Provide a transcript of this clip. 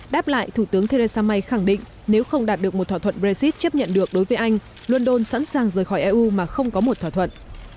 đáp lại thủ tướng theresa may khẳng định nếu không đạt được một thỏa thuận brexit chấp nhận được đối với anh london sẵn sàng rời khỏi eu mà không có một thỏa thuận